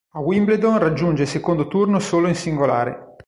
A Wimbledon raggiunge il secondo turno solo in singolare.